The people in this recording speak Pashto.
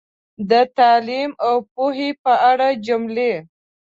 د تعلیم او پوهې په اړه جملې